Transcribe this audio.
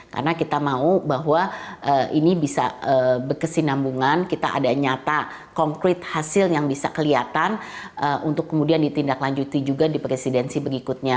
karena kita mau bahwa ini bisa berkesinambungan kita ada nyata concrete hasil yang bisa kelihatan untuk kemudian ditindaklanjuti juga di presidensi berikutnya